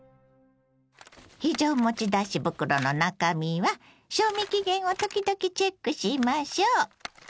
非常持ち出し袋の中身は賞味期限を時々チェックしましょう。